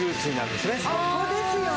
そこですよね。